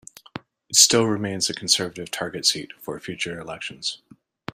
It still remains a Conservative target seat for future elections.